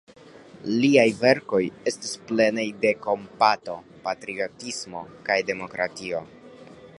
Liaj verkoj estas plenaj de kompato, patriotismo kaj demokratio.